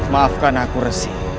maafkan aku resi